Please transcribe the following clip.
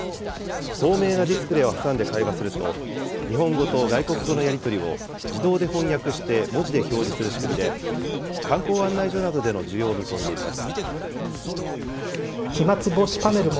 透明なディスプレーを挟んで会話すると、日本語と外国語のやり取りを自動で翻訳して、文字で表示する仕組みで、観光案内所などでの需要を見込んでいます。